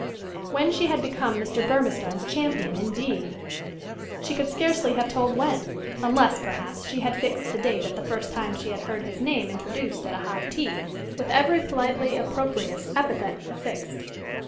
When she had become Mr. Burmistone's champion, indeed! She could scarcely have told when, unless, perhaps, she had fixed the date at the first time she had heard his name introduced at a high tea, with every politely opprobrious epithet affixed.